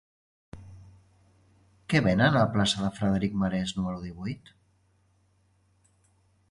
Què venen a la plaça de Frederic Marès número divuit?